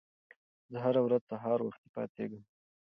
زه هره ورځ سهار وختي پاڅېږم.